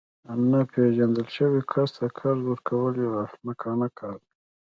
ناپیژندل شوي کس ته قرض ورکول یو احمقانه کار دی